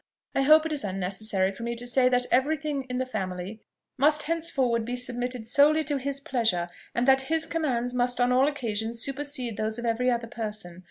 I hope it is unnecessary for me to say that every thing in the family must henceforward be submitted solely to his pleasure, and that his commands must on all occasions supersede those of every other person.